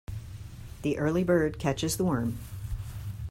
The early bird catches the worm.